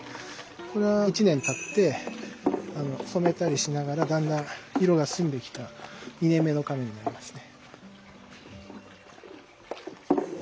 これは１年たって染めたりしながらだんだん色が澄んできた２年目のかめになりますね。